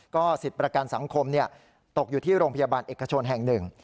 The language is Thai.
สิทธิ์ประกันสังคมตกอยู่ที่โรงพยาบาลเอกชนแห่งหนึ่ง